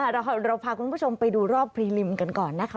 เราพาคุณผู้ชมไปดูรอบพรีลิมกันก่อนนะคะ